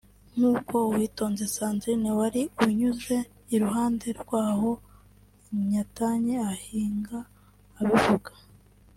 nk’uko Uwitonze Sandrine wari unyuze iruhande rw’aho Nyatanyi ahinga abivuga